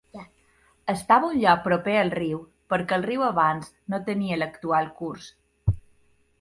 Estava a un lloc proper al riu perquè el riu abans no tenia l'actual curs.